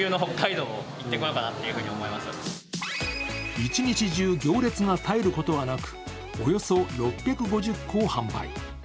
一日じゅう、行列が絶えることはなくおよそ６５０個を販売。